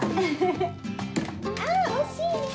あおしい！